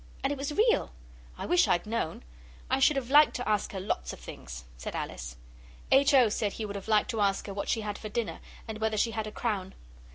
And it was real. I wish I'd known! I should have liked to ask her lots of things,' said Alice. H. O. said he would have liked to ask her what she had for dinner and whether she had a crown.